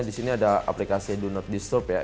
di sini ada aplikasi do not disturb ya